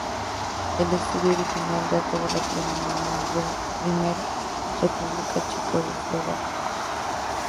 El estadio original data de la Primera República Checoslovaca.